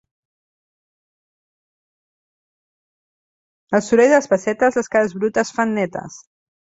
El soroll de les pessetes, les cares brutes fan netes.